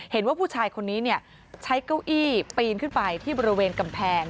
เห็นว่าผู้ชายคนนี้ใช้เก้าอี้ปีนขึ้นไปที่บริเวณกำแพง